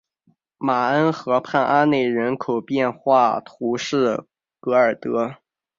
马恩河畔阿内人口变化图示戈尔德